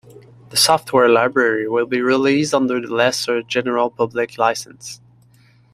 The software library will be released under the Lesser General Public License.